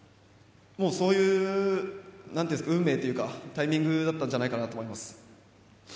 そういう運命というかタイミングだったと思います。